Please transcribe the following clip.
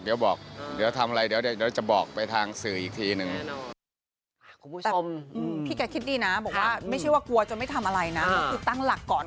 เดี๋ยวทำอะไรเดี๋ยวจะบอกไปทางสื่ออีกทีหนึ่ง